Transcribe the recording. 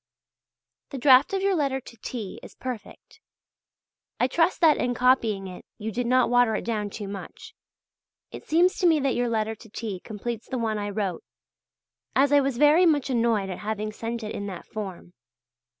The draft of your letter to T. is perfect. I trust that in copying it you did not water it down too much. It seems to me that your letter to T. completes the one I wrote; as I was very much annoyed at having sent it in that form.